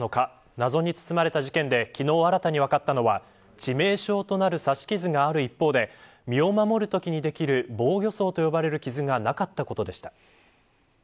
謎に包まれた事件で昨日、新たに分かったのは致命傷となる刺し傷があった一方で、身を守るときにできる防御創と呼ばれる傷がなかったことでした。